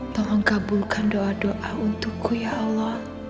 tolong kabulkan doa doa untukku ya allah